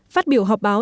phát biểu họp báo